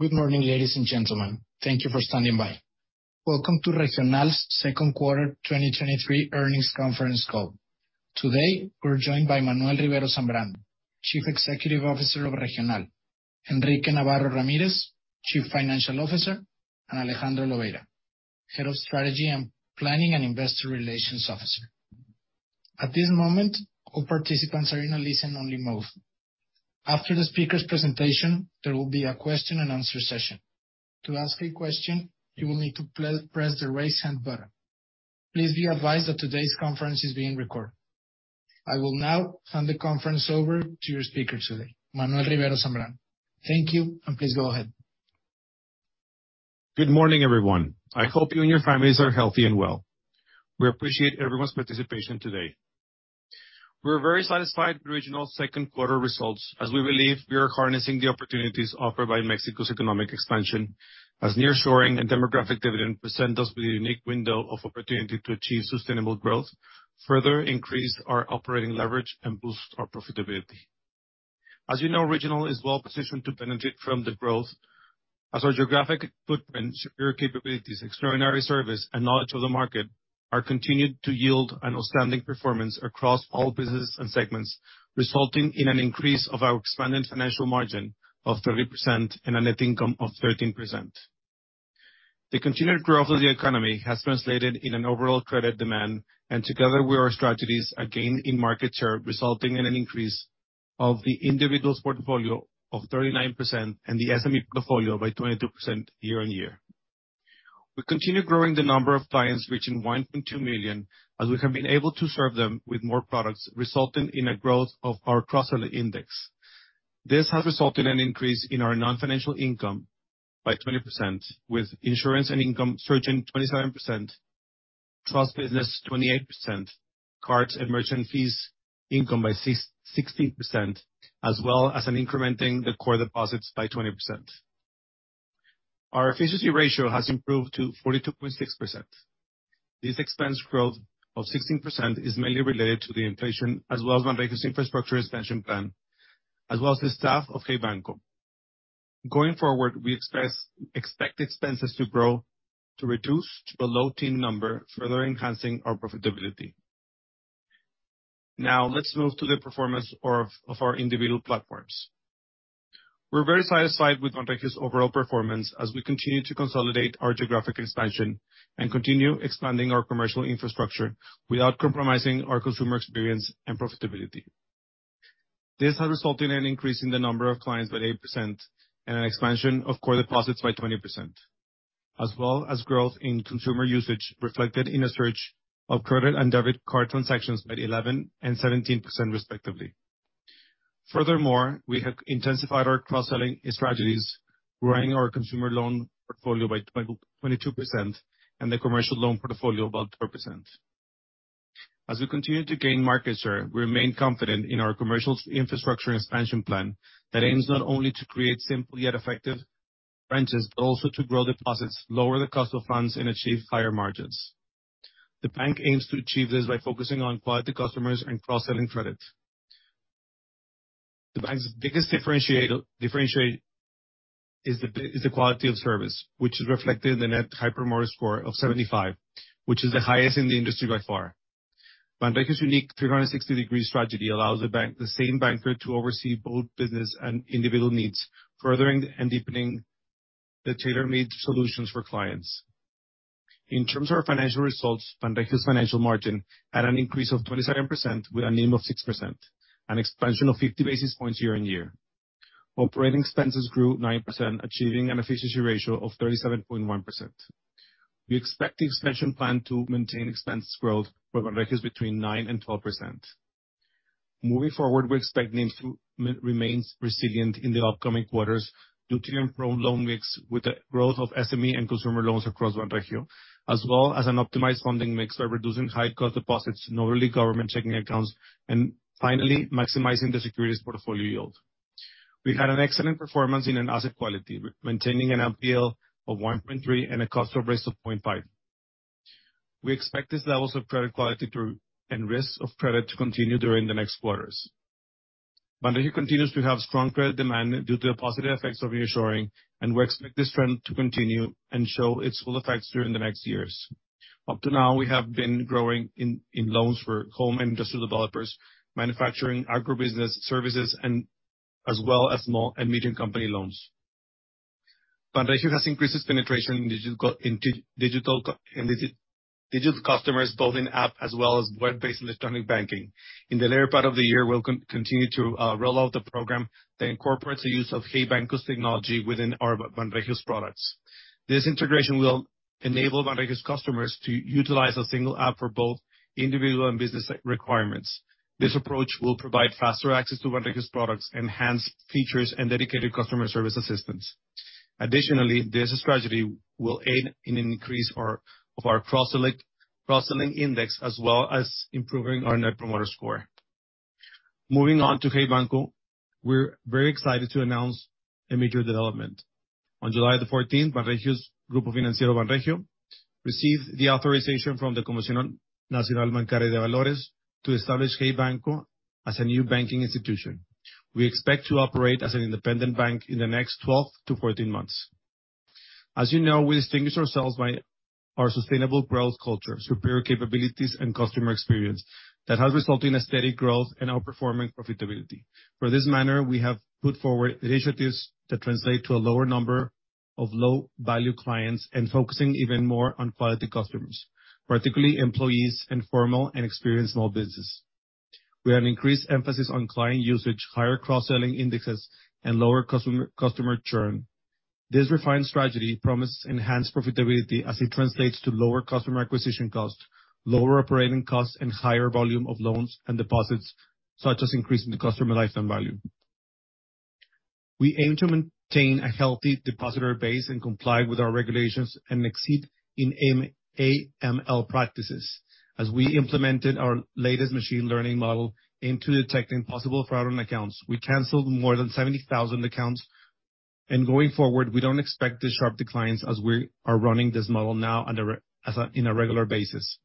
Good morning, ladies and gentlemen. Thank you for standing by. Welcome to Regional's Q2 2023 Earnings Conference Call. Today, we're joined by Manuel Rivero Zambrano, Chief Executive Officer of Regional, Enrique Navarro Ramírez, Chief Financial Officer, and Alejandro Lobeira, Head of Strategy and Planning and Investor Relations Officer. At this moment, all participants are in a listen-only mode. After the speaker's presentation, there will be a question and answer session. To ask a question, you will need to press the Raise Hand button. Please be advised that today's conference is being recorded. I will now hand the conference over to your speaker today, Manuel Rivero Zambrano. Thank you, and please go ahead. Good morning, everyone. I hope you and your families are healthy and well. We appreciate everyone's participation today. We're very satisfied with Regional's Q2 results, as we believe we are harnessing the opportunities offered by Mexico's economic expansion, as nearshoring and demographic dividend present us with a unique window of opportunity to achieve sustainable growth, further increase our operating leverage, and boost our profitability. As you know, Regional is well-positioned to benefit from the growth, as our geographic footprint, superior capabilities, extraordinary service, and knowledge of the market are continued to yield an outstanding performance across all businesses and segments, resulting in an increase of our expanded financial margin of 30% and a net income of 13%. The continued growth of the economy has translated in an overall credit demand, together with our strategies, a gain in market share, resulting in an increase of the individual's portfolio of 39% and the SME portfolio by 22% year-over-year. We continue growing the number of clients, reaching 1.2 million, as we have been able to serve them with more products, resulting in a growth of our cross-sell index. This has resulted in an increase in our non-financial income by 20%, with insurance and income surging 27%, trust business, 28%, cards and merchant fees income by 16%, as well as an incrementing the core deposits by 20%. Our efficiency ratio has improved to 42.6%. This expense growth of 16% is mainly related to the inflation, as well as Banregio's infrastructure expansion plan, as well as the staff of Hey Banco. Going forward, we expect expenses to grow, to reduce to a low teen number, further enhancing our profitability. Let's move to the performance of our individual platforms. We're very satisfied with Banregio's overall performance as we continue to consolidate our geographic expansion and continue expanding our commercial infrastructure without compromising our consumer experience and profitability. This has resulted in an increase in the number of clients by 8% and an expansion of core deposits by 20%, as well as growth in consumer usage, reflected in a surge of credit and debit card transactions by 11% and 17%, respectively. Furthermore, we have intensified our cross-selling strategies, growing our consumer loan portfolio by 22% and the commercial loan portfolio by 12%. As we continue to gain market share, we remain confident in our commercial infrastructure expansion plan that aims not only to create simple yet effective branches, but also to grow deposits, lower the cost of funds, and achieve higher margins. The bank aims to achieve this by focusing on quality customers and cross-selling credit. The bank's biggest differentiator is the quality of service, which is reflected in the Net Promoter Score of 75, which is the highest in the industry by far. Banregio's unique 360-degree strategy allows the bank, the same banker to oversee both business and individual needs, furthering and deepening the tailor-made solutions for clients. In terms of our financial results, Banregio's financial margin had an increase of 27% with a NIM of 6%, an expansion of 50 basis points year-over-year. Operating expenses grew 9%, achieving an efficiency ratio of 37.1%. We expect the expansion plan to maintain expenses growth for Banregio between 9%-12%. Moving forward, we expect NIM to remain resilient in the upcoming quarters due to improved loan mix with the growth of SME and consumer loans across Banregio, as well as an optimized funding mix by reducing high cost deposits, notably government checking accounts, and finally, maximizing the securities portfolio yield. We had an excellent performance in an asset quality, maintaining an NPL of 1.3% and a cost of risk of 0.5%. We expect these levels of credit quality through... Risk of credit to continue during the next quarters. Banregio continues to have strong credit demand due to the positive effects of nearshoring, and we expect this trend to continue and show its full effects during the next years. Up to now, we have been growing in loans for home and industrial developers, manufacturing, agribusiness, services, as well as small and medium company loans. Banregio has increased its penetration in digital customers, both in-app as well as web-based electronic banking. In the later part of the year, we'll continue to roll out the program that incorporates the use of Hey Banco's technology within our Banregio's products. This integration will enable Banregio's customers to utilize a single app for both individual and business requirements. This approach will provide faster access to Banregio's products, enhanced features, and dedicated customer service assistance. Additionally, this strategy will aid in of our cross-selling index, as well as improving our Net Promoter Score. Moving on to Hey Banco, we're very excited to announce a major development. On July 14th, Banregio Grupo Financiero received the authorization from the Comisión Nacional Bancaria y de Valores to establish Hey Banco as a new banking institution. We expect to operate as an independent bank in the next 12 to 14 months. As you know, we distinguish ourselves by our sustainable growth culture, superior capabilities, and customer experience, that has resulted in a steady growth and outperforming profitability. For this manner, we have put forward initiatives that translate to a lower number of low-value clients and focusing even more on quality customers, particularly employees, and formal, experienced small business. We have an increased emphasis on client usage, higher cross-selling indexes, and lower customer churn. This refined strategy promises enhanced profitability as it translates to lower customer acquisition costs, lower operating costs, and higher volume of loans and deposits, such as increasing the customer lifetime value. We aim to maintain a healthy depositor base and comply with our regulations, and exceed in AML practices. As we implemented our latest machine learning model into detecting possible fraudulent accounts, we canceled more than 70,000 accounts, and going forward, we don't expect the sharp declines as we are running this model now on a regular basis.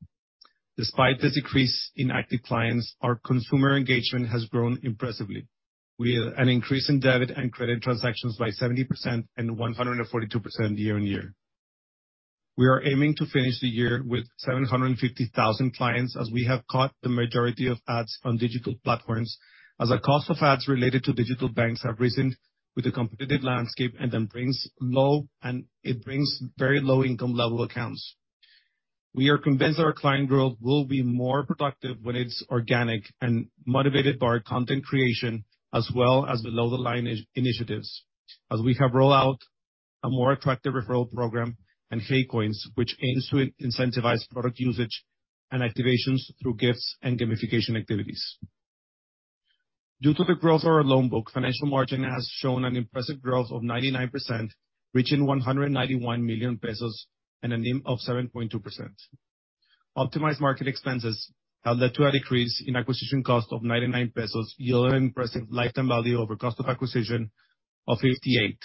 Despite the decrease in active clients, our consumer engagement has grown impressively, with an increase in debit and credit transactions by 70% and 142% year-on-year. We are aiming to finish the year with 750,000 clients, as we have cut the majority of ads on digital platforms, as the cost of ads related to digital banks have risen with the competitive landscape, and it brings very low income level accounts. We are convinced our client growth will be more productive when it's organic and motivated by our content creation, as well as below the line initiatives, as we have rolled out a more attractive referral program and Hey Coins, which aims to incentivize product usage and activations through gifts and gamification activities. Due to the growth of our loan book, financial margin has shown an impressive growth of 99%, reaching 191 million pesos and a NIM of 7.2%. Optimized market expenses have led to a decrease in acquisition cost of 99 pesos, yielding impressive customer lifetime value over cost of acquisition of 58,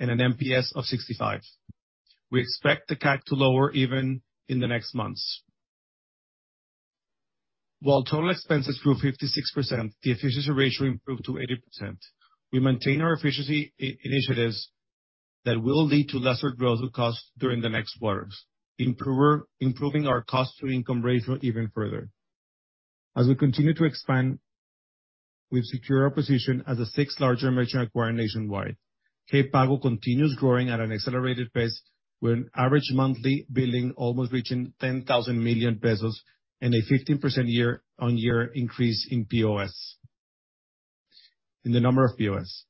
and an NPS of 65. We expect the CAC to lower even in the next months. While total expenses grew 56%, the efficiency ratio improved to 80%. We maintain our efficiency initiatives that will lead to lesser growth costs during the next quarters, improving our cost to income ratio even further. As we continue to expand, we've secured our position as the sixth largest merchant acquirer nationwide. Hey Pago continues growing at an accelerated pace, with an average monthly billing almost reaching 10 billion pesos, and a 15% year-on-year increase in POS. In the number of POS.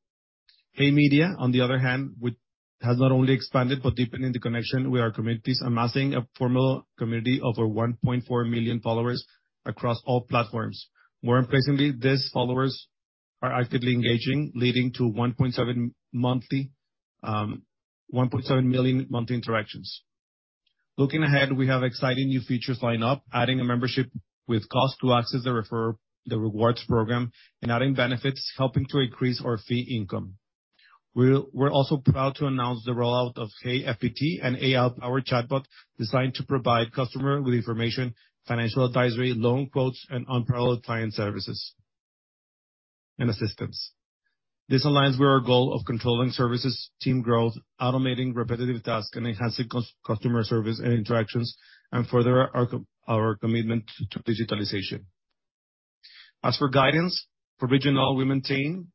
Hey Media, on the other hand, which, has not only expanded, but deepening the connection with our communities, amassing a formal community over 1.4 million followers across all platforms. More impressively, these followers are actively engaging, leading to 1.7 million monthly interactions. Looking ahead, we have exciting new features lined up, adding a membership with cost to access the rewards program, and adding benefits, helping to increase our fee income. We're also proud to announce the rollout of Hey GPT, an AI-powered chatbot designed to provide customer with information, financial advisory, loan quotes, and unparalleled client services and assistance. This aligns with our goal of controlling services, team growth, automating repetitive tasks, and enhancing customer service and interactions, and further our commitment to digitalization. As for guidance, for Regional, we maintain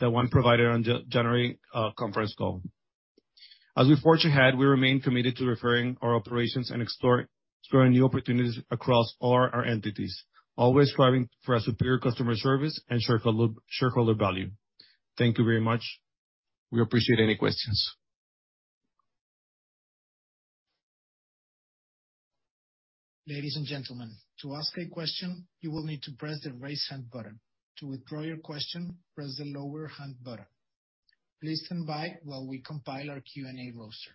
the one provided on January conference call. As we forge ahead, we remain committed to referring our operations and exploring new opportunities across all our entities, always striving for a superior customer service and shareholder value. Thank you very much. We appreciate any questions. Ladies and gentlemen, to ask a question, you will need to press the Raise Hand button. To withdraw your question, press the Lower Hand button. Please stand by while we compile our Q&A roster.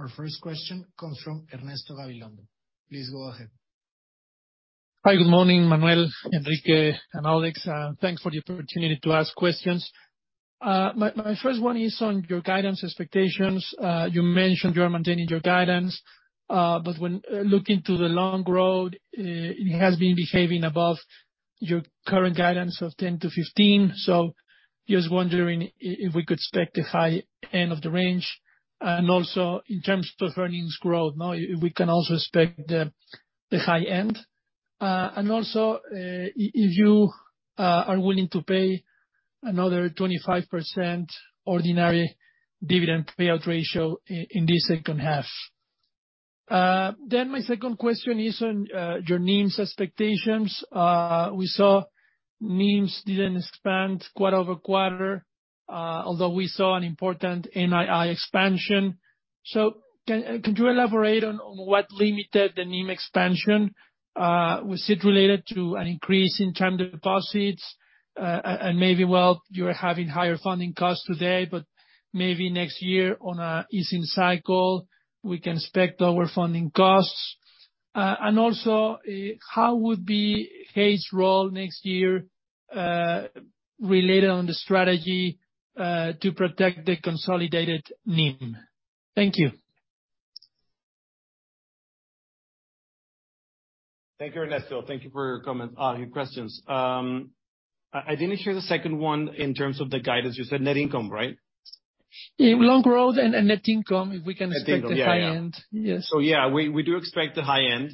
Our first question comes from Ernesto Gabilondo. Please go ahead. Hi, good morning, Manuel, Enrique, and Alex. Thanks for the opportunity to ask questions. My first one is on your guidance expectations. You mentioned you are maintaining your guidance, when looking to the long road, it has been behaving above your current guidance of 10%-15%. Just wondering if we could expect the high end of the range? In terms of earnings growth, now, if we can also expect the high end, if you are willing to pay another 25% ordinary dividend payout ratio in this second half. My second question is on your NIMs expectations. We saw NIMs didn't expand quarter-over-quarter, although we saw an important NII expansion. Could you elaborate on what limited the NIM expansion? Was it related to an increase in term deposits? Maybe, well, you're having higher funding costs today, but maybe next year on a easing cycle, we can expect lower funding costs. Also, how would be Hey's role next year, related on the strategy, to protect the consolidated NIM? Thank you. Thank you, Ernesto. Thank you for your comments, your questions. I didn't hear the second one in terms of the guidance. You said net income, right? Yeah, loan growth and net income. Net income. the high end. Yeah, yeah. Yes. Yeah, we do expect the high end.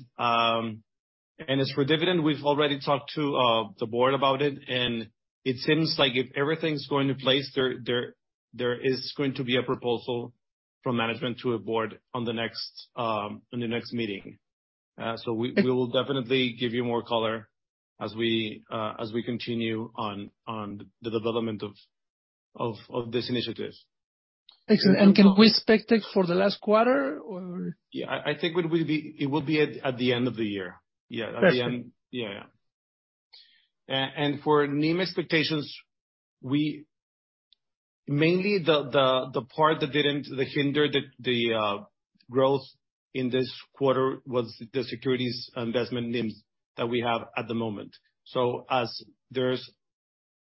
As for dividend, we've already talked to the board about it, and it seems like if everything's going to place, there is going to be a proposal from management to a board on the next, on the next meeting. Okay. We will definitely give you more color as we continue on the development of these initiatives. Excellent. Can we expect it for the last quarter, or...? Yeah, I think it will be at the end of the year. Excellent. At the end. Yeah, yeah. For NIM expectations, we. Mainly the part that didn't, that hindered the growth in this quarter was the securities investment NIMs that we have at the moment. As there's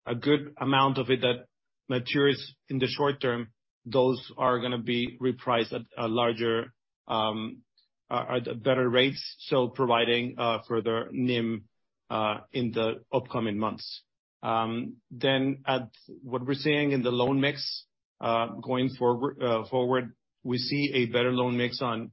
a good amount of it that matures in the short term, those are gonna be repriced at a larger, better rates, so providing further NIM in the upcoming months. At what we're seeing in the loan mix, going forward, we see a better loan mix on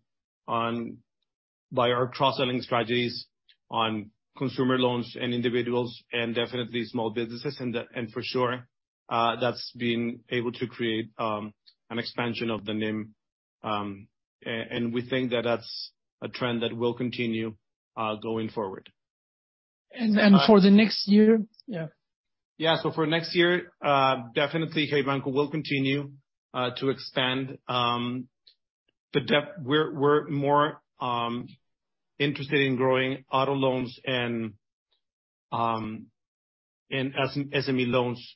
by our cross-selling strategies on consumer loans and individuals, and definitely small businesses, and that, and for sure, that's been able to create an expansion of the NIM. We think that that's a trend that will continue going forward. For the next year? Yeah. For next year, definitely, Hey Bank will continue to expand the depth. We're more interested in growing auto loans and SME loans.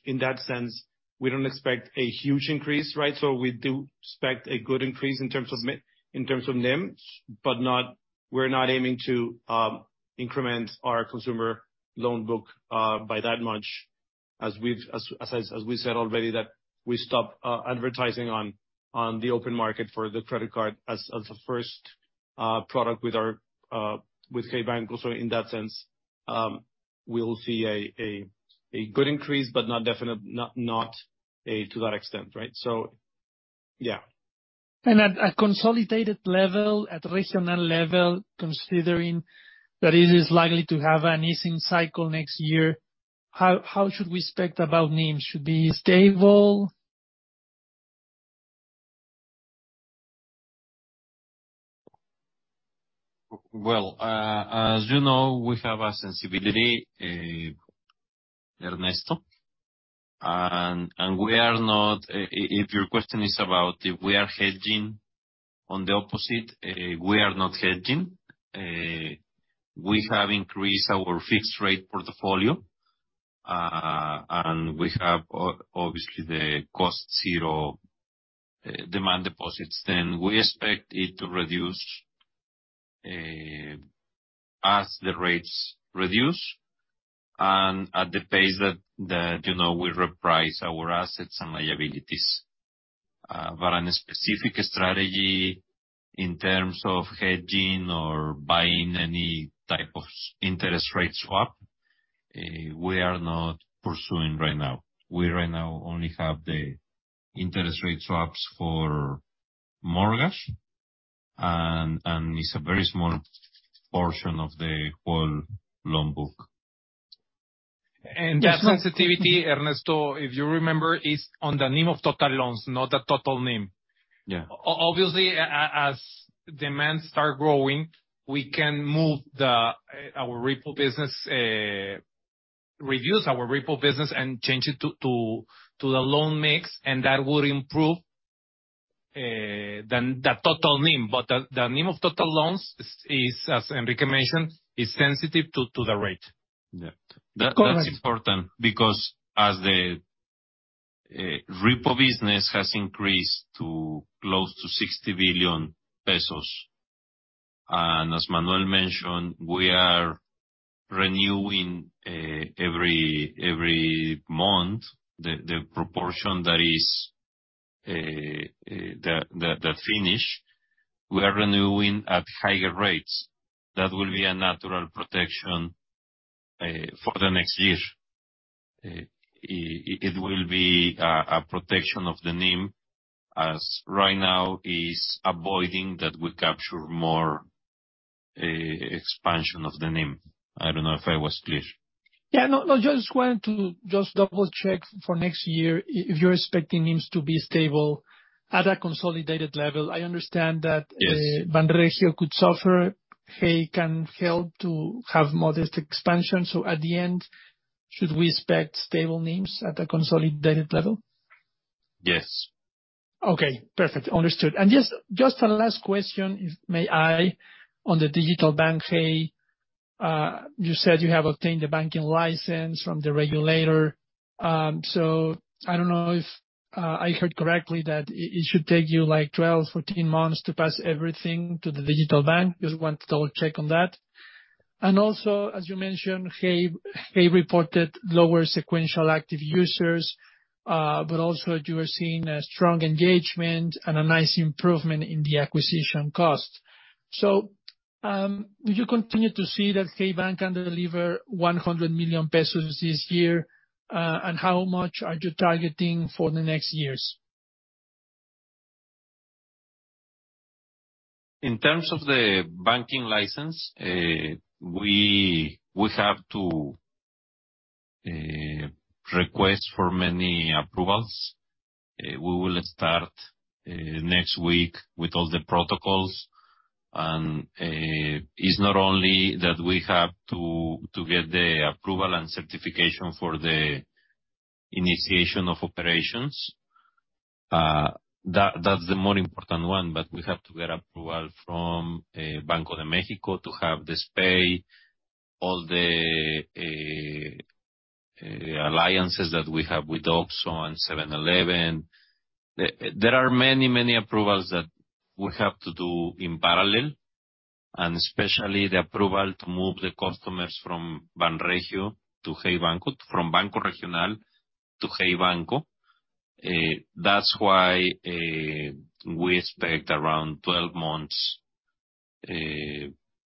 We don't expect a huge increase, right? We do expect a good increase in terms of NIM, but not, we're not aiming to increment our consumer loan book by that much, as we've said already, that we stopped advertising on the open market for the credit card as a first product with our with Hey Bank. In that sense, we'll see a good increase, but not to that extent, right? Yeah. At a consolidated level, at Regional level, considering that it is likely to have an easing cycle next year, how should we expect about NIM? Should be stable? Well, as you know, we have a sensibility, Ernesto, and we are not, if your question is about if we are hedging on the opposite, we are not hedging. We have increased our fixed rate portfolio, and we have obviously, the cost zero, demand deposits. We expect it to reduce, as the rates reduce, and at the pace that, you know, we reprice our assets and liabilities. On a specific strategy in terms of hedging or buying any type of interest rate swap, we are not pursuing right now. We right now only have the interest rate swaps for mortgage, and it's a very small portion of the whole loan book. That sensitivity, Ernesto, if you remember, is on the NIM of total loans, not the total NIM. Yeah. obviously, as demands start growing, we can move the our repo business, reduce our repo business and change it to the loan mix. That will improve, then the total NIM. The NIM of total loans is, as Enrique mentioned, is sensitive to the rate. Yeah. Correct. That's important, because as the repo business has increased to close to 60 billion pesos, as Manuel mentioned, we are renewing every month, the proportion that is the finish, we are renewing at higher rates. That will be a natural protection for the next year. It will be a protection of the NIM, as right now is avoiding that we capture more expansion of the NIM. I don't know if I was clear? No, no, just wanted to double-check for next year, if you're expecting NIMs to be stable at a consolidated level. I understand that... Yes. Banregio could suffer, Hey can help to have modest expansion. At the end, should we expect stable NIMs at a consolidated level? Yes. Okay, perfect. Understood. Just, just a last question, if may I, on the digital bank, Hey, you said you have obtained the banking license from the regulator. I don't know if I heard correctly that it should take you, like, 12, 14 months to pass everything to the digital bank. Just want to double check on that. Also, as you mentioned, Hey reported lower sequential active users, but also you are seeing a strong engagement and a nice improvement in the acquisition cost. Would you continue to see that Hey Banco can deliver 100 million pesos this year, and how much are you targeting for the next years? In terms of the banking license, we have to request for many approvals. We will start next week with all the protocols. it's not only that we have to get the approval and certification for the initiation of operations, that's the more important one, but we have to get approval from Banco de México to have this pay, all the alliances that we have with OXXO and 7-Eleven. There are many approvals that we have to do in parallel, and especially the approval to move the customers from Banco Regional to Hey Banco. That's why we expect around 12 months,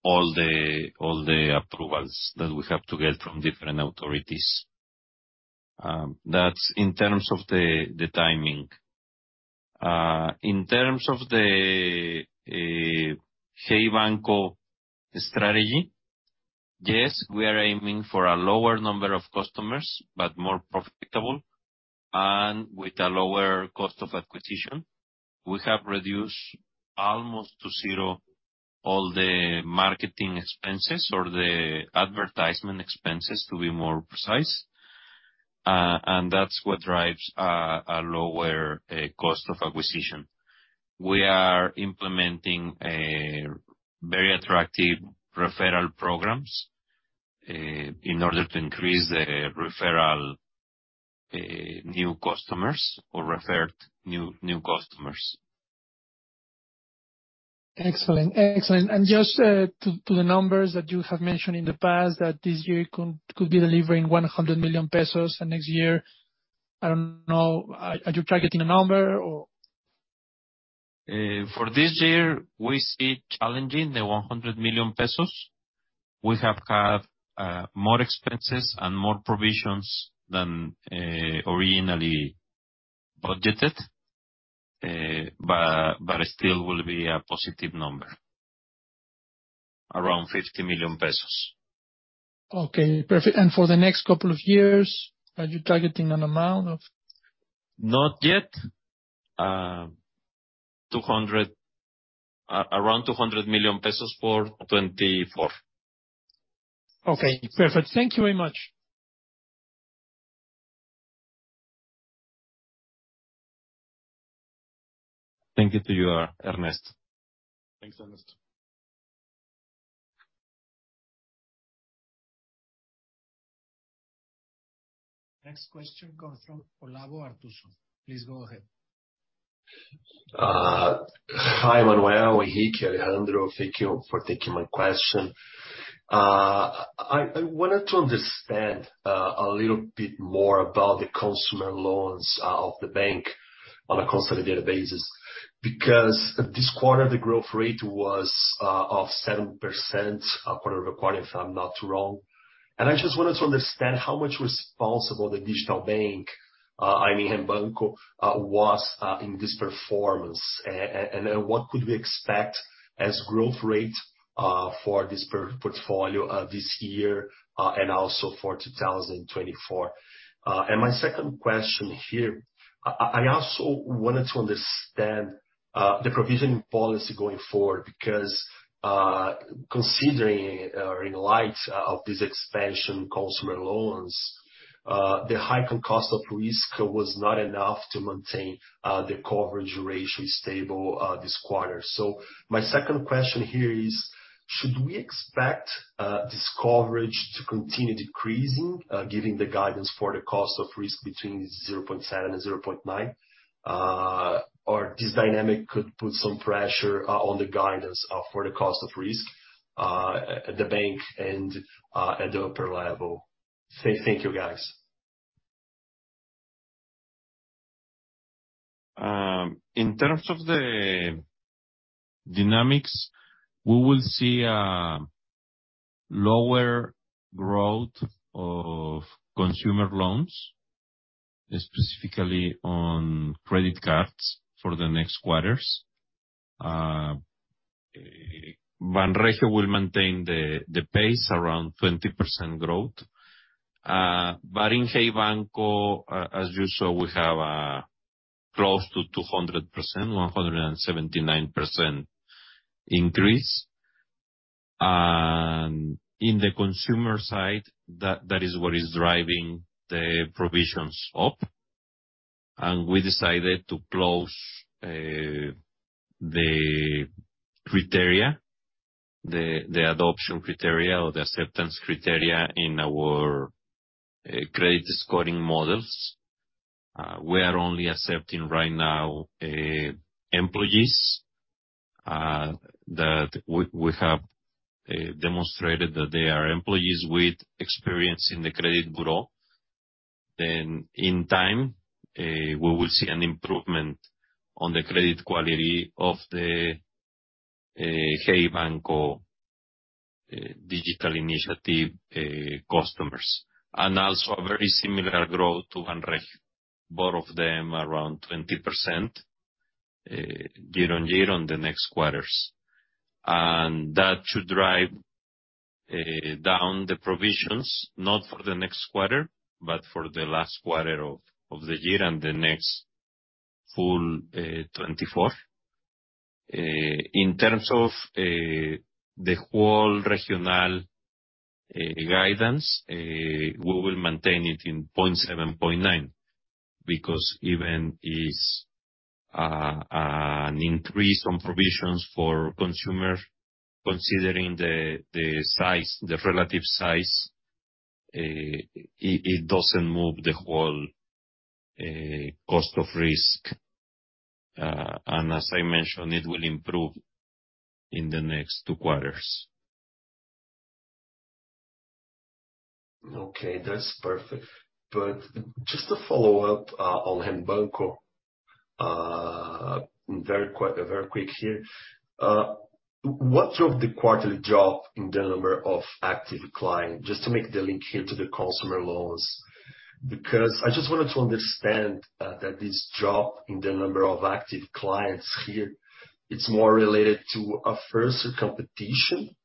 all the approvals that we have to get from different authorities. That's in terms of the timing. In terms of the Hey Banco strategy, yes, we are aiming for a lower number of customers, but more profitable, and with a lower cost of acquisition. We have reduced almost to zero all the marketing expenses or the advertisement expenses, to be more precise, and that's what drives a lower cost of acquisition. We are implementing a very attractive referral programs, in order to increase the referral new customers or referred new customers. Excellent. Excellent. Just to the numbers that you have mentioned in the past, that this year could be delivering 100 million pesos, and next year, I don't know, are you targeting a number or? For this year, we see challenging the 100 million pesos. We have had more expenses and more provisions than originally budgeted, but it still will be a positive number, around 50 million pesos. Okay, perfect. For the next couple of years, are you targeting an amount of...? Not yet. around MXN 200 million for 2024. Okay, perfect. Thank you very much. Thank you to you, Ernest. Thanks, Ernest. Next question comes from Pablo Artuso. Please go ahead. Hi, Manuel, Enrique, Alejandro. Thank you for taking my question. I wanted to understand a little bit more about the consumer loans of the bank on a constant year basis, because this quarter, the growth rate was of 7% quarter-over-quarter, if I'm not wrong. I just wanted to understand how much responsible the digital bank, I mean, Hey Banco, was in this performance, and what could we expect as growth rate for this portfolio this year, and also for 2024? My second question here, I also wanted to understand the provisioning policy going forward, because considering or in light of this expansion consumer loans, the hike on cost of risk was not enough to maintain the coverage ratio stable this quarter. My second question here is: Should we expect this coverage to continue decreasing, given the guidance for the cost of risk between 0.7 and 0.9? This dynamic could put some pressure on the guidance for the cost of risk at the bank and at the upper level. Thank you, guys. In terms of the dynamics, we will see lower growth of consumer loans, specifically on credit cards, for the next quarters. Banregio will maintain the pace around 20% growth, but in Hey Banco, as you saw, we have close to 200%, 179% increase. In the consumer side, that is what is driving the provisions up. We decided to close the criteria, the adoption criteria or the acceptance criteria in our credit scoring models. We are only accepting right now employees that we have demonstrated that they are employees with experience in the credit bureau. In time, we will see an improvement on the credit quality of the Hey Banco digital initiative customers. Also a very similar growth to Banreg, both of them around 20% year-on-year on the next quarters. That should drive down the provisions, not for the next quarter, but for the last quarter of the year and the next full 2024. In terms of the whole Regional guidance, we will maintain it in 0.7%-0.9%, because even it's an increase on provisions for consumer, considering the relative size, it doesn't move the whole cost of risk. As I mentioned, it will improve in the next two quarters. Okay, that's perfect. Just to follow up, on Hey Banco, very quick here. What drove the quarterly drop in the number of active clients? Just to make the link here to the consumer loans. I just wanted to understand, that this drop in the number of active clients here, it's more related to a fiercer competition,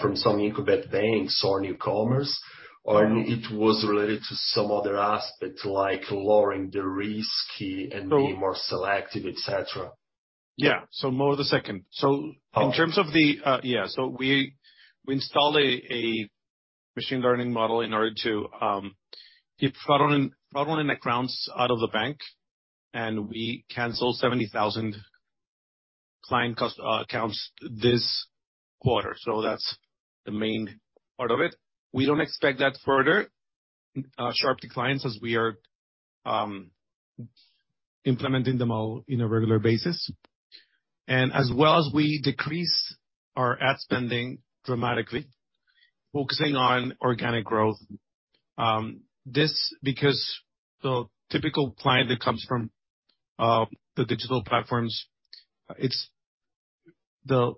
from some incumbent banks or newcomers, or it was related to some other aspect, like lowering the risk and being more selective, et cetera? Yeah. More the second. Uh. In terms of the, yeah, so we installed a machine learning model in order to keep fraudulent accounts out of the bank, and we canceled 70,000 client accounts this quarter. That's the main part of it. We don't expect that further sharp declines as we are implementing them all in a regular basis. As well as we decrease our ad spending dramatically, focusing on organic growth, this because the typical client that comes from the digital platforms, it's the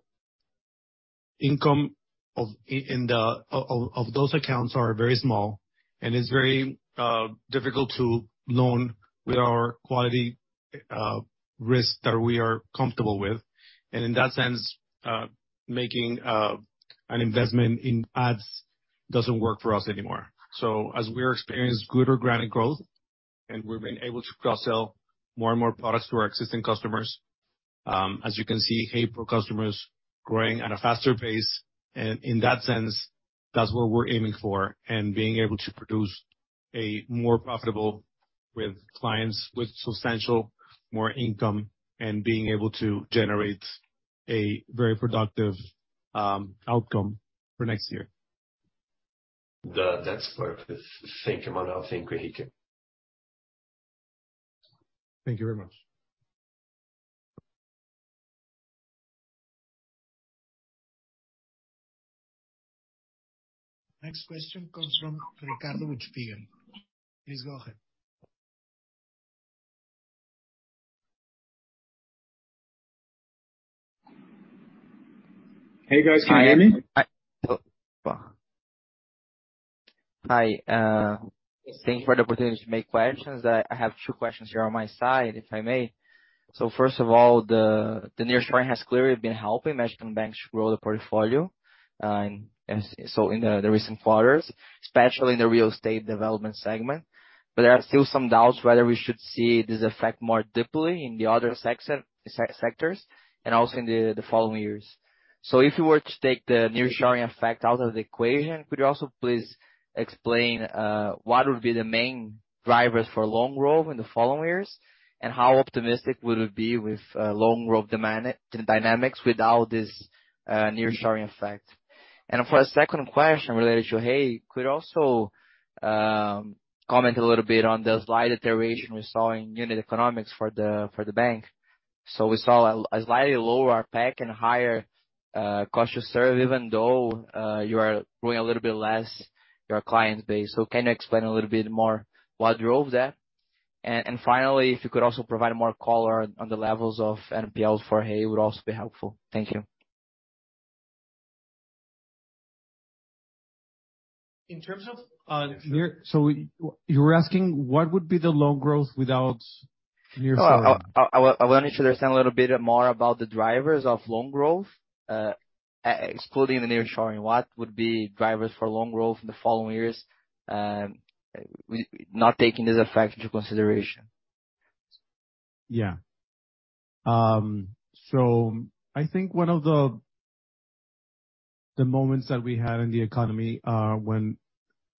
income of in the of those accounts are very small, and it's very difficult to loan with our quality risk that we are comfortable with. In that sense, making an investment in ads doesn't work for us anymore. As we are experiencing good organic growth, and we've been able to cross-sell more and more products to our existing customers, as you can see, Hey Pro customers growing at a faster pace. In that sense, that's what we're aiming for, and being able to produce a more profitable with clients with substantial more income, and being able to generate a very productive outcome for next year. That's perfect. Thank you, Manuel. Thank you, Enrique. Thank you very much. Next question comes from Ricardo with Spiegel. Please go ahead. Hey, guys. Can you hear me? Hi. Thanks for the opportunity to make questions. I have two questions here on my side, if I may. First of all, the nearshoring has clearly been helping Mexican banks grow the portfolio, and so in the recent quarters, especially in the real estate development segment. There are still some doubts whether we should see this effect more deeply in the other sectors, and also in the following years. If you were to take the nearshoring effect out of the equation, could you also please explain what would be the main drivers for loan growth in the following years? How optimistic would it be with loan growth dynamics without this nearshoring effect? For a second question related to Hey, could you also comment a little bit on the slight deterioration we saw in unit economics for the bank? We saw a slightly lower RPEC and higher cost to serve, even though you are growing a little bit less your client base. Can you explain a little bit more what drove that? Finally, if you could also provide more color on the levels of NPLs for Hey, it would also be helpful. Thank you. In terms of, you were asking, what would be the loan growth without nearshoring? I wanted to understand a little bit more about the drivers of loan growth, excluding the nearshoring, what would be drivers for loan growth in the following years, not taking this effect into consideration? Yeah. I think one of the moments that we had in the economy, when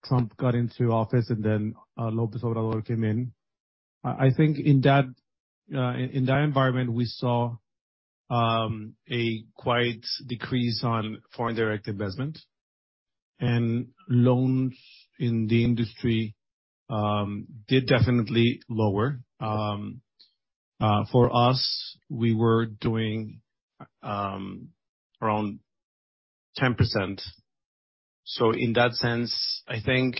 Trump got into office and then López Obrador came in, I think in that, in that environment, we saw a quite decrease on foreign direct investment, and loans in the industry did definitely lower. For us, we were doing around 10%. In that sense, I think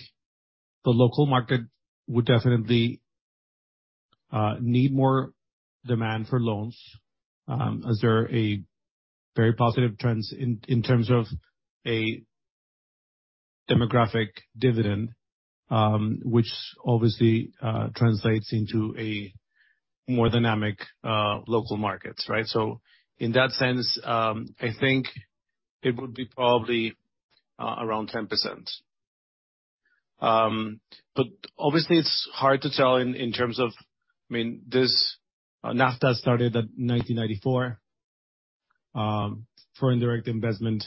the local market would definitely need more demand for loans, as there are a very positive trends in terms of a demographic dividend, which obviously translates into a more dynamic local markets, right? In that sense, I think it would be probably around 10%. But obviously it's hard to tell in terms of. I mean, this NAFTA started at 1994. Foreign direct investment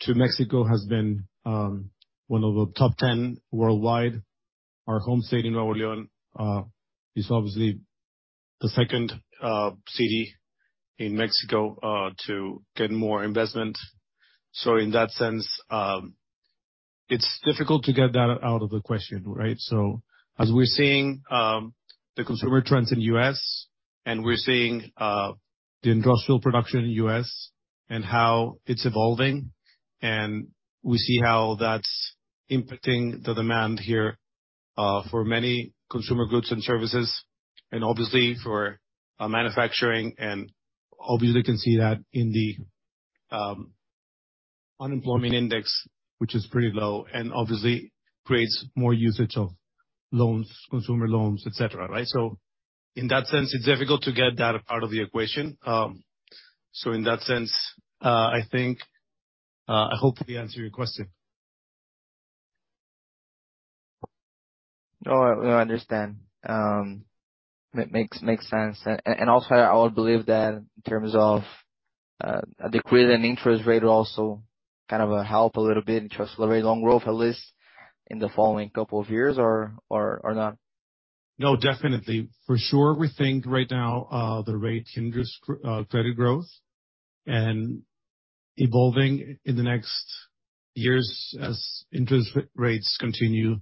to Mexico has been one of the top 10 worldwide. Our home state in Nuevo León is obviously the second city in Mexico to get more investment. In that sense, it's difficult to get that out of the question, right? As we're seeing the consumer trends in U.S., and we're seeing the industrial production in U.S. and how it's evolving, and we see how that's impacting the demand here for many consumer goods and services, and obviously for manufacturing. Obviously you can see that in the unemployment index, which is pretty low, and obviously creates more usage of loans, consumer loans, et cetera, right? In that sense, it's difficult to get that out of the equation. In that sense, I think I hope I answered your question. No, I understand. It makes sense. Also, I would believe that in terms of a decrease in interest rate would also kind of help a little bit and just accelerate loan growth, at least in the following couple of years, or not? No, definitely. For sure, we think right now, the rate hinders credit growth. Evolving in the next years as interest rates continue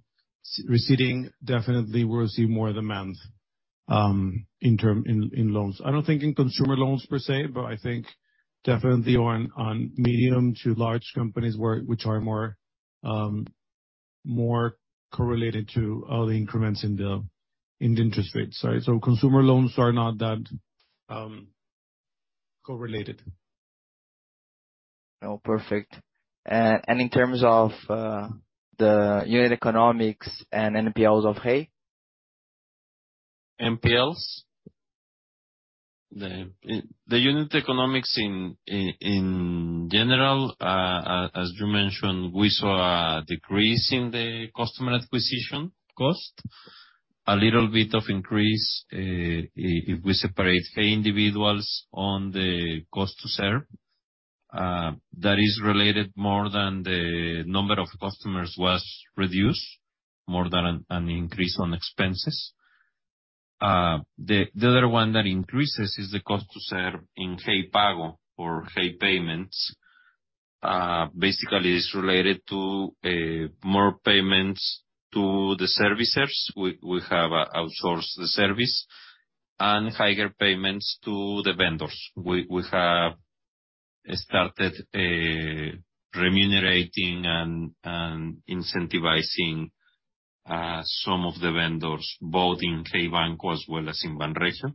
receding, definitely we'll see more demand in loans. I don't think in consumer loans per se, but I think definitely on medium to large companies, which are more correlated to all the increments in the interest rates, right? Consumer loans are not that correlated. Oh, perfect. In terms of, the unit economics and NPLs of Hey? NPLs? The unit economics in general, as you mentioned, we saw a decrease in the customer acquisition cost. A little bit of increase, if we separate Hey individuals on the cost to serve, that is related more than the number of customers was reduced, more than an increase on expenses. The other one that increases is the cost to serve in Hey Pago or Hey payments. Basically, it's related to more payments to the servicers. We have outsourced the service and higher payments to the vendors. We have started remunerating and incentivizing some of the vendors, both in Hey Banco as well as in Banregio,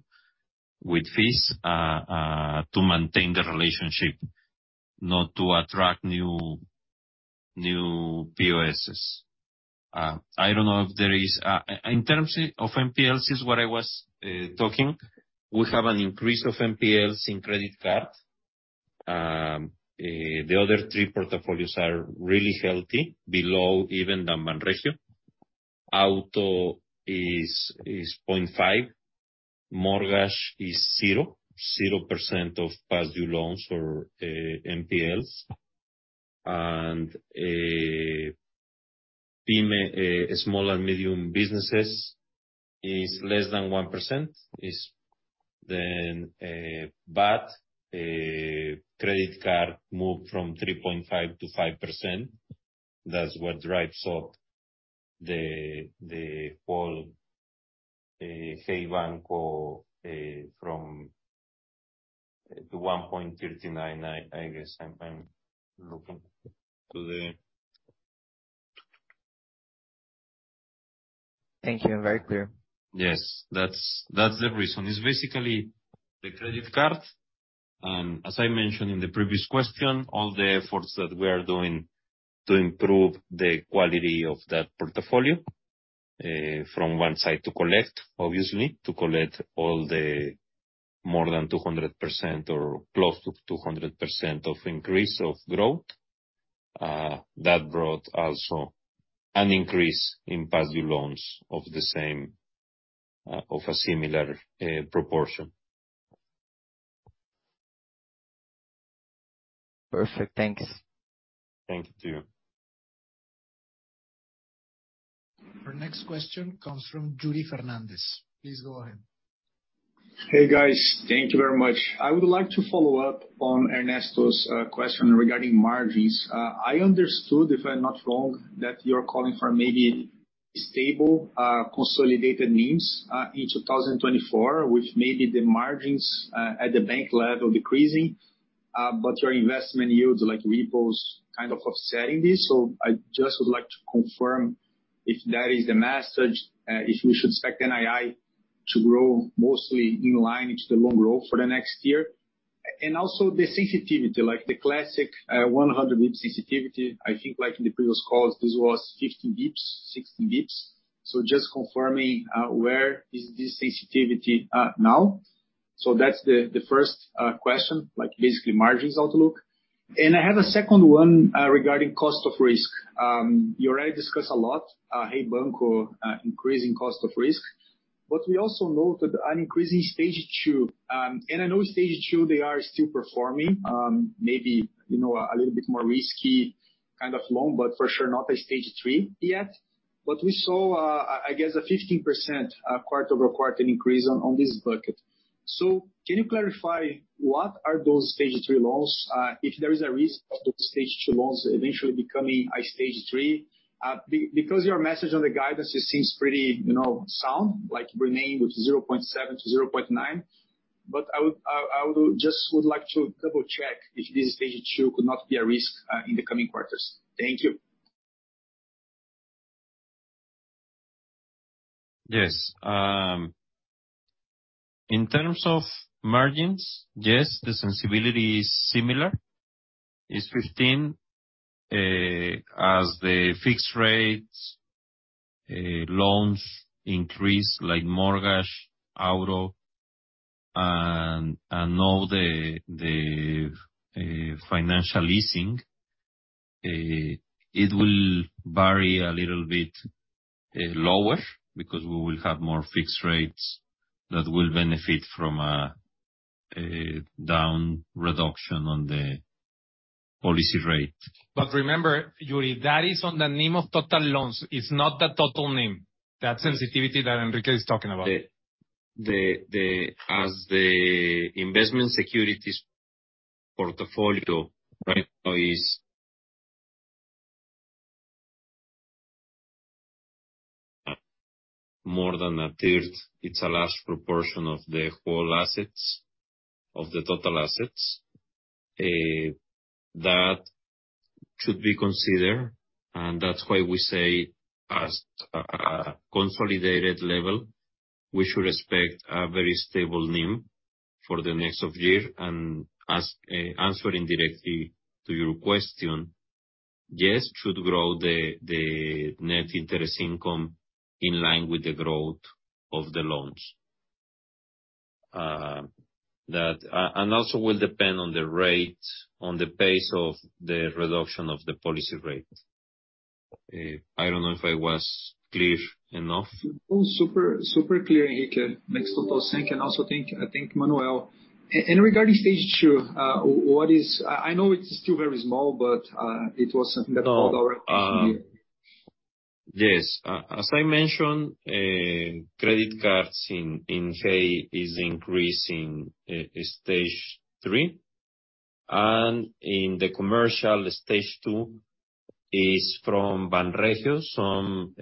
with fees to maintain the relationship, not to attract new POS's. I don't know if there is... In terms of NPLs, is what I was talking, we have an increase of NPLs in credit card. The other three portfolios are really healthy, below even than Banregio. Auto is 0.5%, mortgage is 0% of past due loans or NPLs, and SME, small and medium businesses, is less than 1%. Credit card moved from 3.5%-5%. That's what drives up the whole Hey Banco from to 1.39%, I guess. I'm looking to the. Thank you. Very clear. Yes, that's the reason. It's basically the credit card, and as I mentioned in the previous question, all the efforts that we are doing to improve the quality of that portfolio, from one side to collect, obviously, all the more than 200% or close to 200% of increase of growth. That brought also an increase in past due loans of the same, of a similar, proportion. Perfect. Thanks. Thank you, too. Our next question comes from Julie Fernandez. Please go ahead. Hey, guys. Thank you very much. I would like to follow up on Ernesto's question regarding margins. I understood, if I'm not wrong, that you're calling for maybe stable consolidated NIMs in 2024, with maybe the margins at the bank level decreasing, but your investment yields, like repos, kind of offsetting this. I just would like to confirm if that is the message, if we should expect NII to grow mostly in line with the loan growth for the next year? And also the sensitivity, like the classic 100 basis points sensitivity. I think, like in the previous calls, this was 15 basis points, 16 basis points, just confirming, where is this sensitivity now? That's the first question, like basically margins outlook. I have a second one regarding cost of risk. You already discussed a lot, Hey Banco, increasing cost of risk, we also noted an increase in Stage 2. And I know Stage 2, they are still performing, you know, a little bit more risky kind of loan, for sure, not a Stage 3 yet. We saw a 15% quarter-over-quarter increase on this bucket. Can you clarify what are those Stage 3 loans, if there is a risk of those Stage 2 loans eventually becoming a Stage 3? Because your message on the guidance, it seems pretty, you know, sound, remaining with 0.7%-0.9%. I would like to double-check if this Stage 2 could not be a risk in the coming quarters. Thank you. Yes. In terms of margins, yes, the sensitivity is similar. It's 15%, as the fixed rates loans increase, like mortgage, auto, and all the financial leasing, it will vary a little bit lower, because we will have more fixed rates that will benefit from a down reduction on the policy rate. Remember, Yuri, that is on the NIM of total loans. It's not the total NIM, that sensitivity that Enrique is talking about. As the investment securities portfolio right now is more than a third, it's a large proportion of the whole assets, of the total assets, that should be considered, and that's why we say, as a consolidated level, we should expect a very stable NIM for the rest of year. As, answering directly to your question, yes, should grow the net interest income in line with the growth of the loans. Also will depend on the pace of the reduction of the policy rate. I don't know if I was clear enough. Oh, super clear, Enrique. Makes total sense, and also thank, I think, Manuel. Regarding Stage 2, what is... I know it's still very small, but, it was something that- No. Yes, as I mentioned, credit cards in Hey is increasing Stage 3, and in the commercial, Stage 2 is from Banregio, from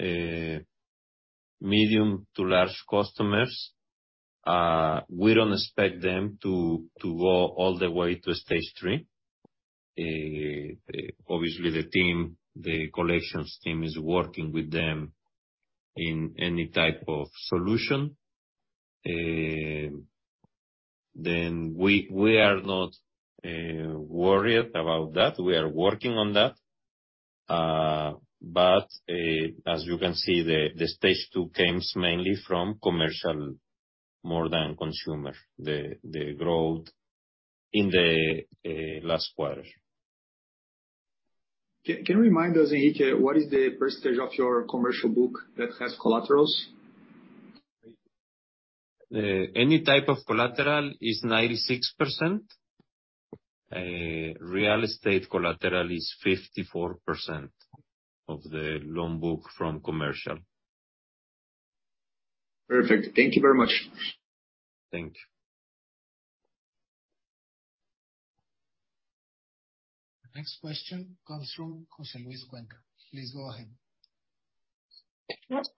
medium to large customers. We don't expect them to go all the way to Stage 3. Obviously the team, the collections team, is working with them in any type of solution, then we are not worried about that. We are working on that. As you can see, the Stage 2 comes mainly from commercial, more than consumer, the growth in the last quarter. Can you remind us, Enrique, what is the percentage of your commercial book that has collaterals? Any type of collateral is 96%. Real estate collateral is 54% of the loan book from commercial. Perfect. Thank you very much. Thank you. The next question comes from Jose Luis Cuenca. Please go ahead.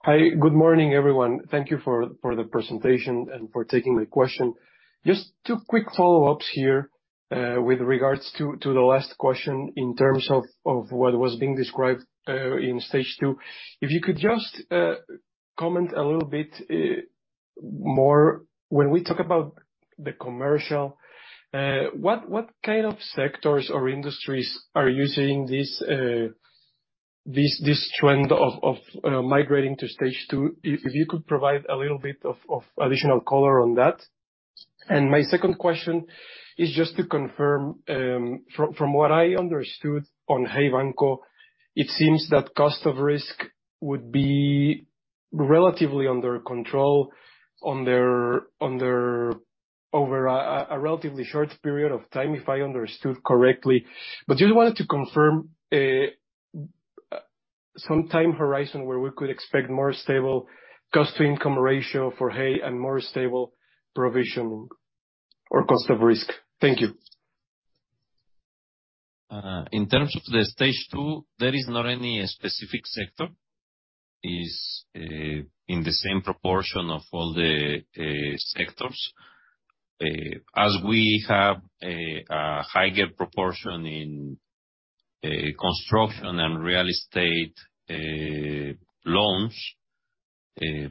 Hi, good morning, everyone. Thank Thank you for the presentation and for taking the question. Just two quick follow-ups here, with regards to the last question in terms of what was being described in Stage 2. If you could just comment a little bit more, when we talk about the commercial, what kind of sectors or industries are using this?... this trend of migrating to Stage 2, if you could provide a little bit of additional color on that. My second question is just to confirm, from what I understood on Hey Banco, it seems that cost of risk would be relatively under control on their over a relatively short period of time, if I understood correctly. Just wanted to confirm some time horizon where we could expect more stable cost-to-income ratio for Hey, and more stable provision or cost of risk. Thank you. in terms of the stage two, there is not any specific sector. Is, uh, in the same proportion of all the, sectors. As we have a, higher proportion in, construction and real estate, loans, the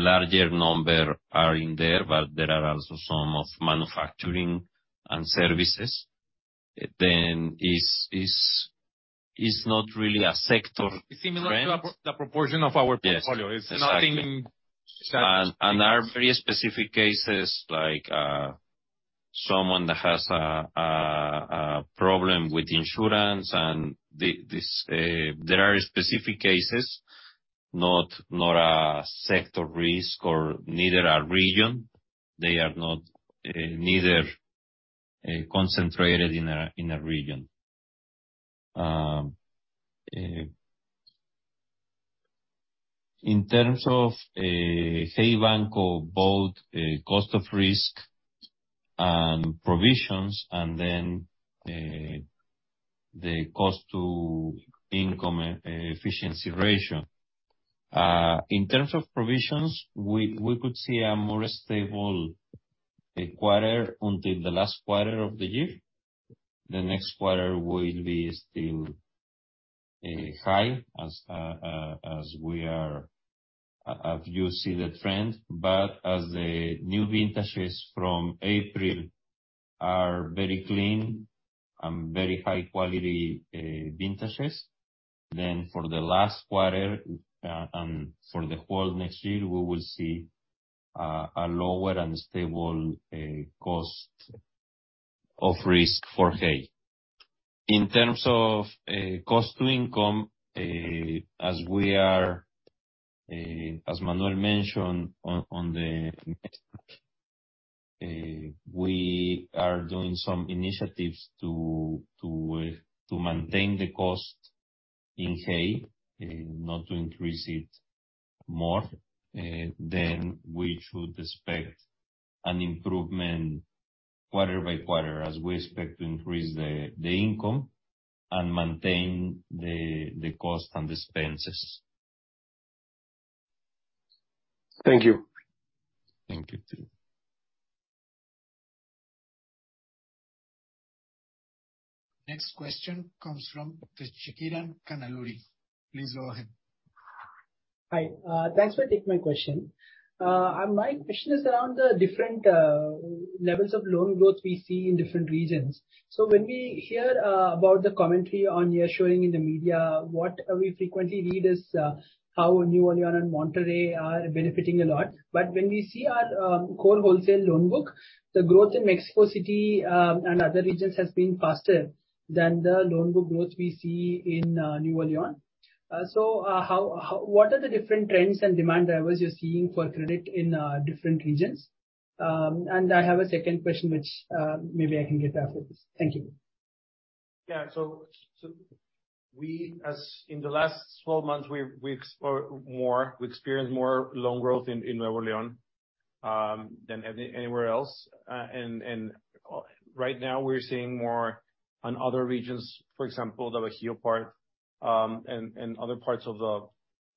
larger number are in there, but there are also some of manufacturing and services. Then is, is, is not really a sector trend. Similar to the proportion of our portfolio. Yes, exactly. It's nothing. are very specific cases like someone that has a problem with insurance. There are specific cases, not a sector risk or neither a region. They are not neither concentrated in a region. In terms of Hey Banco, both cost of risk and provisions, and then the cost-to-income efficiency ratio. In terms of provisions, we could see a more stable quarter until the last quarter of the year. The next quarter will be still high, as you see the trend. As the new vintages from April are very clean and very high quality vintages, for the last quarter and for the whole next year, we will see a lower and stable cost of risk for Hey. In terms of cost to income, as we are as Manuel mentioned on the, we are doing some initiatives to maintain the cost in Hey, not to increase it more, we should expect an improvement quarter by quarter, as we expect to increase the income and maintain the cost and expenses. Thank you. Thank you, too. Next question comes from Chikiran Kanaluri. Please go ahead. Hi, thanks for taking my question. My question is around the different levels of loan growth we see in different regions. When we hear about the commentary on you're showing in the media, what we frequently read is how Nuevo León and Monterrey are benefiting a lot. When we see our core wholesale loan book, the growth in Mexico City and other regions has been faster than the loan book growth we see in Nuevo León. What are the different trends and demand drivers you're seeing for credit in different regions? I have a second question, which maybe I can get after this. Thank you. Yeah. We, as in the last 12 months, we experienced more loan growth in Nuevo León than anywhere else. And right now, we're seeing more on other regions, for example, the Bajio part, and other parts of the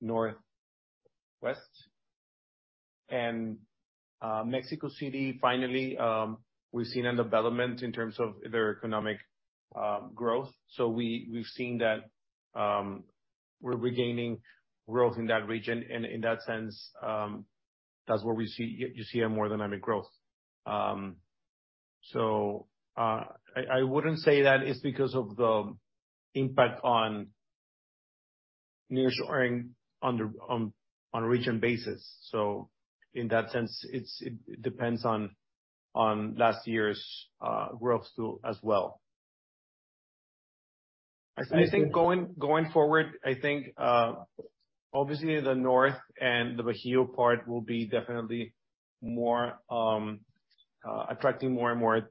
Northwest. Mexico City, finally, we've seen a development in terms of their economic growth. We've seen that we're regaining growth in that region, and in that sense, that's where we see, you see a more dynamic growth. I wouldn't say that it's because of the impact on nearshoring on a region basis. In that sense, it depends on last year's growth too as well. I see. I think going forward, I think obviously the North and the Bajio part will be definitely more attracting more and more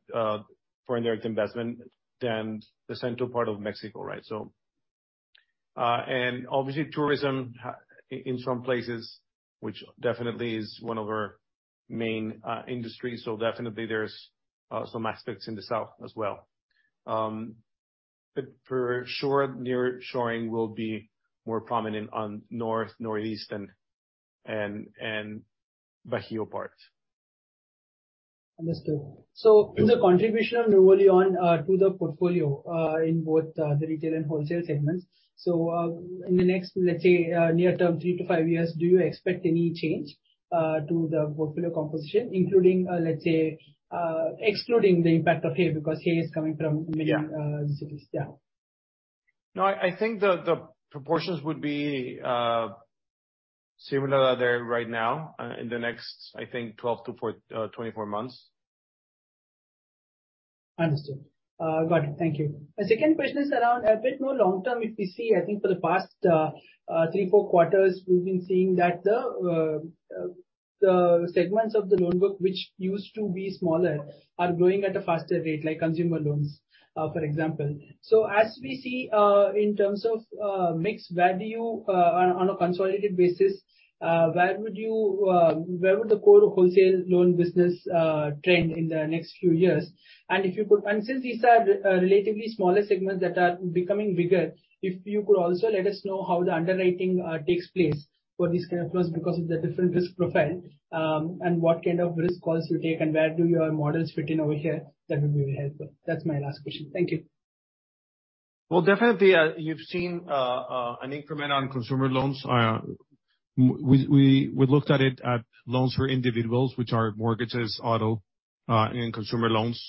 foreign direct investment than the central part of Mexico, right? And obviously tourism in some places, which definitely is one of our main industries, so definitely there's some aspects in the South as well. For sure, nearshoring will be more prominent on North, Northeast and Bajio parts. Understood. Yeah. In the contribution of Nuevo León, to the portfolio, in both, the retail and wholesale segments, in the next, let's say, near term, 3-5 years, do you expect any change, to the portfolio composition, including, let's say, excluding the impact of Hey? Yeah... cities? Yeah. I think the proportions would be similar there right now, in the next, I think 12-24 months. Understood. got it. Thank you. My second question is around a bit more long term. If we see, I think for the past, 3, 4 quarters, we've been seeing that the segments of the loan book, which used to be smaller, are growing at a faster rate, like consumer loans, for example. As we see, in terms of, mixed value, on a consolidated basis, where would you, where would the core wholesale loan business, trend in the next few years? Since these are, relatively smaller segments that are becoming bigger, if you could also let us know how the underwriting takes place for these kind of loans, because of the different risk profile, and what kind of risk calls you take, and where do your models fit in over here? That would be helpful. That's my last question. Thank you. Well, definitely, you've seen an increment on consumer loans. We looked at it at loans for individuals, which are mortgages, auto, and consumer loans.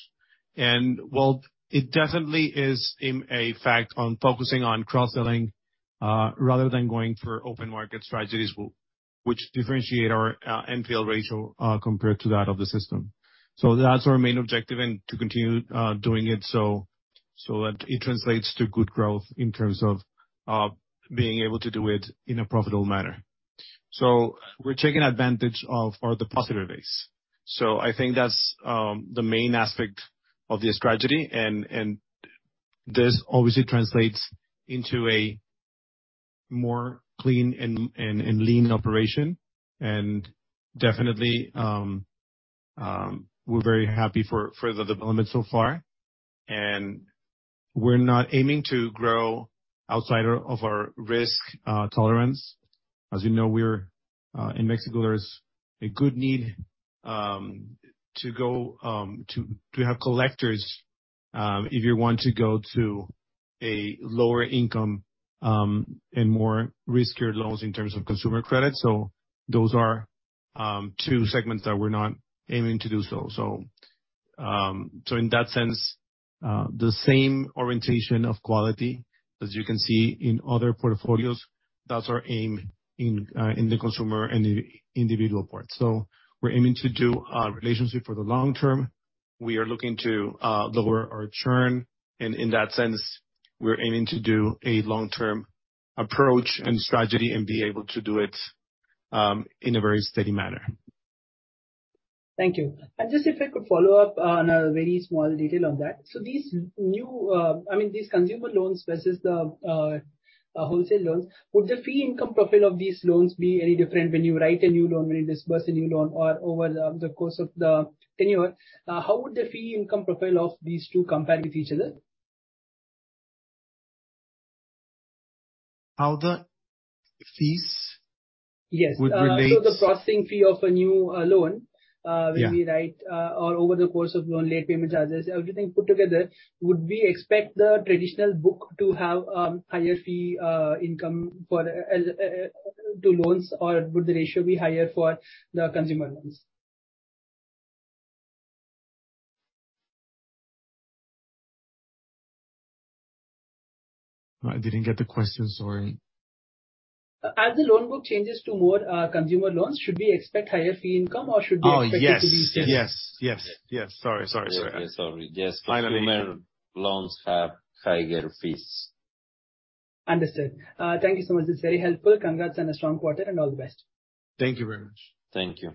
While it definitely is in a fact on focusing on cross-selling, rather than going for open market strategies, which differentiate our NPL ratio compared to that of the system. That's our main objective, and to continue doing it, so that it translates to good growth in terms of being able to do it in a profitable manner. We're taking advantage of all the positive days. I think that's the main aspect of this strategy, and this obviously translates into a more clean and lean operation. Definitely, we're very happy for the development so far. We're not aiming to grow outside of our risk tolerance. As you know, we're in Mexico, there's a good need to go to have collectors if you want to go to a lower income and more riskier loans in terms of consumer credit. Those are two segments that we're not aiming to do so. In that sense, the same orientation of quality as you can see in other portfolios, that's our aim in the consumer and the individual part. We're aiming to do a relationship for the long term. We are looking to lower our churn, and in that sense, we're aiming to do a long-term approach and strategy and be able to do it in a very steady manner. Thank you. Just if I could follow up on a very small detail on that. These new, I mean, these consumer loans versus the wholesale loans, would the fee income profile of these loans be any different when you write a new loan, when you disburse a new loan, or over the course of the tenure? How would the fee income profile of these two compare with each other? How the fees... Yes. Would relate- The processing fee of a new, loan. Yeah when we write, or over the course of loan, late payment charges, everything put together, would we expect the traditional book to have, higher fee, income for, to loans, or would the ratio be higher for the consumer loans? I didn't get the question, sorry. As the loan book changes to more consumer loans, should we expect higher fee income, or should we expect it to be same? Yes. Sorry. Yes, sorry. Finally... consumer loans have higher fees. Understood. Thank you so much. It's very helpful. Congrats on a strong quarter, and all the best. Thank you very much. Thank you.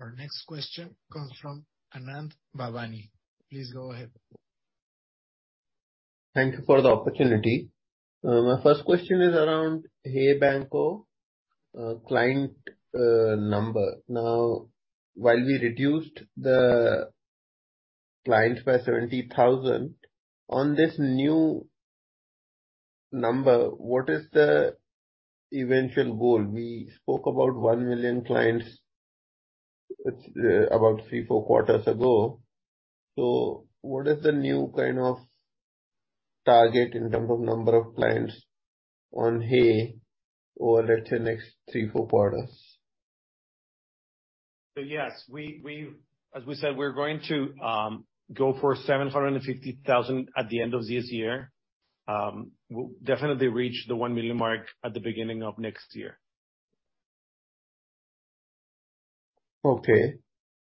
Our next question comes from Anand Bhavani. Please go ahead. Thank you for the opportunity. My first question is around Hey Banco, client, number. Now, while we reduced the clients by 70,000, on this new number, what is the eventual goal? We spoke about 1 million clients, about three, four quarters ago. What is the new kind of target in terms of number of clients on Hey, over let's say next three, four quarters? Yes, we as we said, we're going to go for 750,000 at the end of this year. We'll definitely reach the 1 million mark at the beginning of next year. Okay.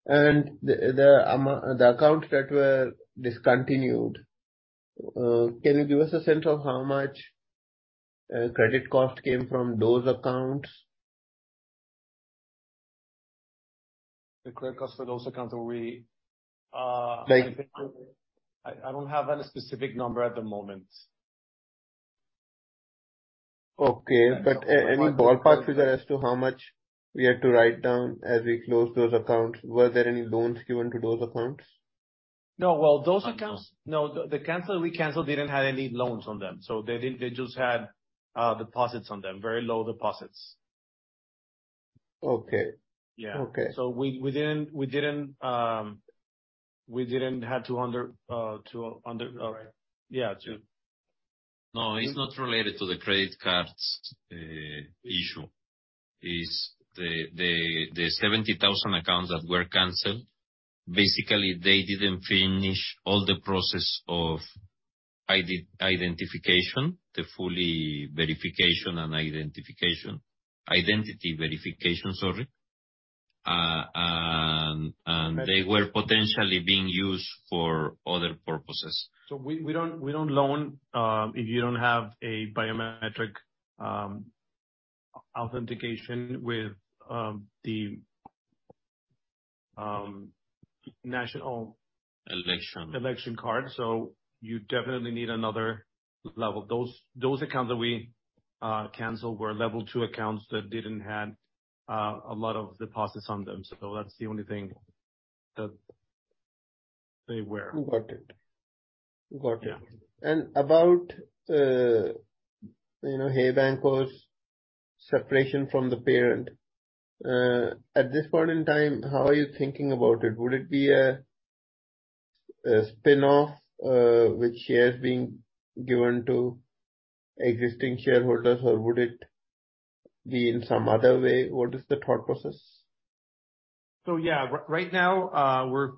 The accounts that were discontinued, can you give us a sense of how much credit cost came from those accounts? The credit cost for those accounts were. Like- I don't have any specific number at the moment. Okay. But- Any ballpark figure as to how much we had to write down as we closed those accounts? Were there any loans given to those accounts? No, well, those accounts. No, the canceled, we canceled, didn't have any loans on them, so they didn't, they just had, deposits on them, very low deposits. Okay. Yeah. Okay. we didn't, we didn't have to under, yeah, to-.... No, it's not related to the credit cards, issue. It's the 70,000 accounts that were canceled, basically, they didn't finish all the process of identification, the fully verification and identification, identity verification, sorry. And they were potentially being used for other purposes. We don't loan, if you don't have a biometric authentication with the. Election. Election card, you definitely need another level. Those accounts that we canceled were level 2 accounts that didn't have a lot of deposits on them. That's the only thing that they were. Got it. Got it. Yeah. About, you know, Hey Banco's separation from the parent, at this point in time, how are you thinking about it? Would it be a spinoff, with shares being given to existing shareholders, or would it be in some other way? What is the thought process? Yeah, right now, we're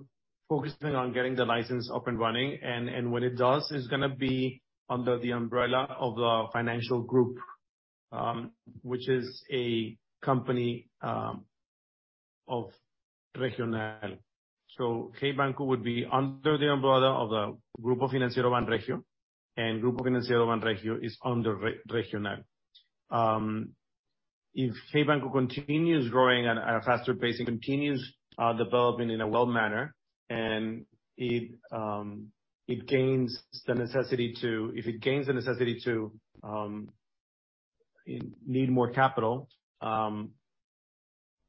focusing on getting the license up and running, and when it does, it's gonna be under the umbrella of the financial group, which is a company of Regional. Hey Banco would be under the umbrella of the Banregio Grupo Financiero, and Banregio Grupo Financiero is under Regional. If Hey Banco continues growing at a, at a faster pace and continues developing in a well manner, and it, If it gains the necessity to, in, need more capital,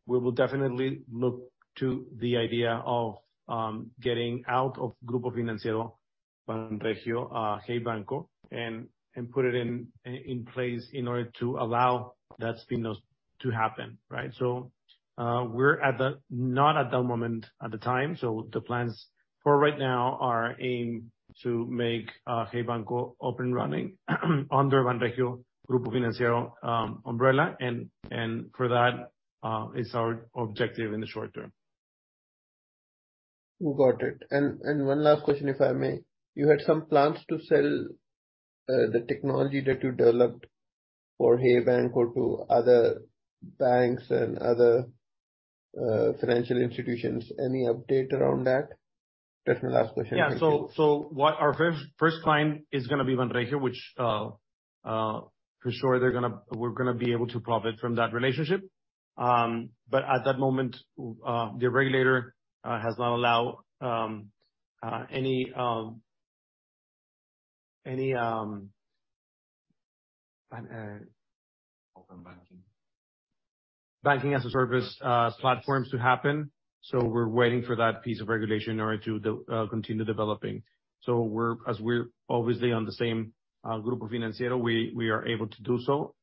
we will definitely look to the idea of getting out of Banregio Grupo Financiero, Hey Banco, and put it in place in order to allow that spinoff to happen, right? We're at the...Not at that moment, at the time, the plans for right now are aimed to make Hey Banco up and running under Banregio Grupo Financiero umbrella, and for that, is our objective in the short term. Got it. One last question, if I may. You had some plans to sell the technology that you developed for Hey Banco to other banks and other financial institutions. Any update around that? That's my last question. Yeah. Our first client is gonna be Banregio, which, for sure we're gonna be able to profit from that relationship. At that moment, the regulator has not allowed any. open banking. Banking as a Service platforms to happen. We're waiting for that piece of regulation in order to continue developing. We're obviously on the same Grupo Financiero, we are able to do so.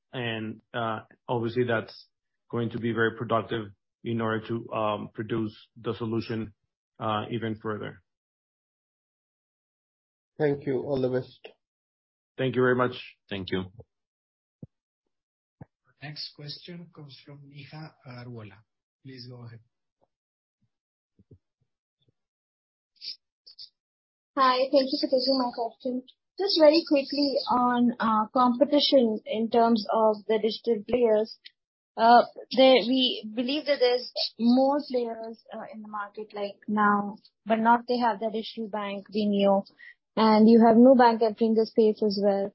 Obviously, that's going to be very productive in order to produce the solution even further. Thank you. All the best. Thank you very much. Thank you. Next question comes from Neha Arora. Please go ahead. Hi, thank you for taking my question. Just very quickly on competition in terms of the digital players, there, we believe that there's more players in the market, like, now, but not they have that issue bank, Bineo, and you have Nubank entering the space as well.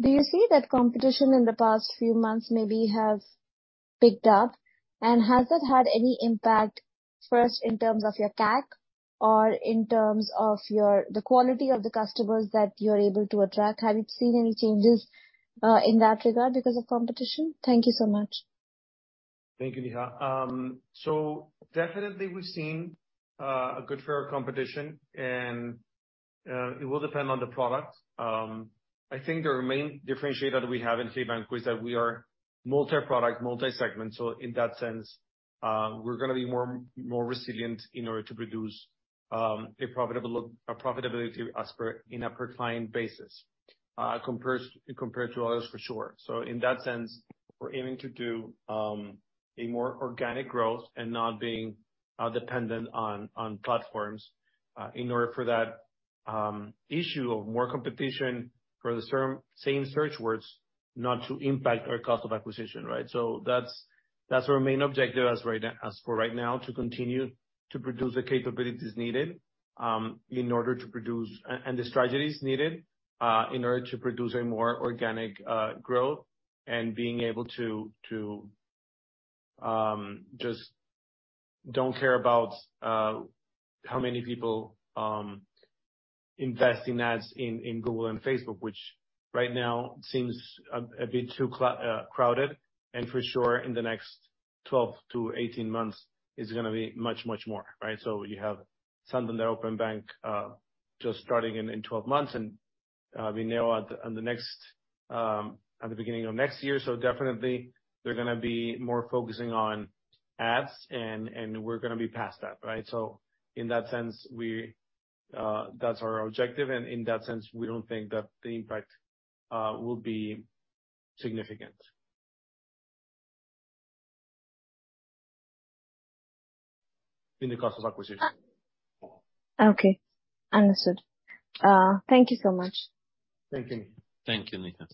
Do you see that competition in the past few months maybe have picked up? Has that had any impact, first, in terms of your CAC or in terms of your, the quality of the customers that you're able to attract? Have you seen any changes in that regard because of competition? Thank you so much. Thank you, Neha. Definitely we've seen a good fair competition, and it will depend on the product. I think the main differentiator that we have in Hey Banco is that we are multi-product, multi-segment. In that sense, we're gonna be more resilient in order to produce a profitability as per, in a per client basis, compared to others, for sure. In that sense, we're aiming to do a more organic growth and not being dependent on platforms, in order for that issue of more competition for the same search words, not to impact our cost of acquisition, right? That's our main objective as for right now, to continue to produce the capabilities needed in order to produce... The strategies needed in order to produce a more organic growth and being able to just don't care about how many people invest in ads in Google and Facebook, which right now seems a bit too crowded, and for sure, in the next 12-18 months, it's gonna be much more, right? You have some in the open bank just starting in 12 months, and Bineo at the in the next at the beginning of next year. Definitely they're gonna be more focusing on ads, and we're gonna be past that, right? In that sense, we that's our objective, and in that sense, we don't think that the impact will be significant in the cost of acquisition. Okay, understood. Thank you so much. Thank you. Thank you, Neha.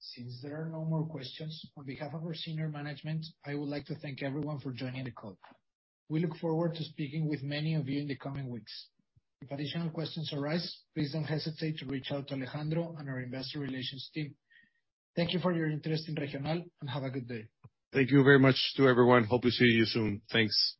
Since there are no more questions, on behalf of our senior management, I would like to thank everyone for joining the call. We look forward to speaking with many of you in the coming weeks. If additional questions arise, please don't hesitate to reach out to Alejandro and our investor relations team. Thank you for your interest in Regional. Have a good day. Thank you very much to everyone. Hope to see you soon. Thanks.